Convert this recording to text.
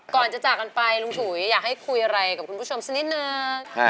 ก่อนจะจากกันไปลุงฉุยอยากให้คุยอะไรกับคุณผู้ชมสักนิดนึง